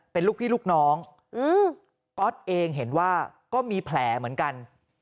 เป็นลูกพี่ลูกน้องอ๊อตเองเห็นว่าก็มีแผลเหมือนกัน